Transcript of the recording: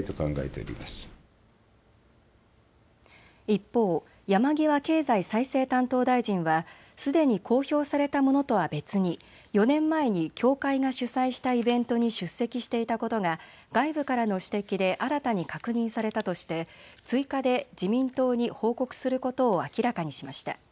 一方、山際経済再生担当大臣はすでに公表されたものとは別に４年前に教会が主催したイベントに出席していたことが外部からの指摘で新たに確認されたとして追加で自民党に報告することを明らかにしました。